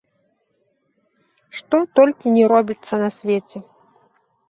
Што толькі не робіцца на свеце!